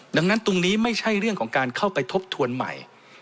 ดังนั้นตรงนี้ไม่ใช่เรื่องของการเข้าไปทบทวนใหม่